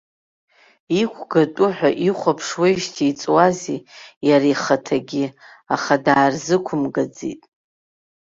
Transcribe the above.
Иқәгатәу ҳәа ихәаԥшуеижьҭеи иҵуазеи иара ихаҭагьы, аха даарзықәымгаӡеит.